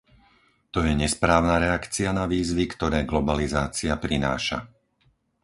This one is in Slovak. To je nesprávna reakcia na výzvy, ktoré globalizácia prináša.